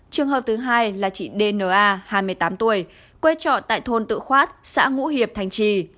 trường hợp thứ hai là chị dna hai mươi tám tuổi quê trọ tại thôn tự khoát xã ngũ hiệp thanh trì